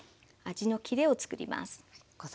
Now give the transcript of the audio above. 味のキレを作ります。